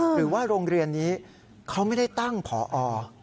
หรือว่าโรงเรียนนี้เขาไม่ได้ตั้งผอ